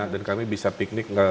dan kami bisa piknik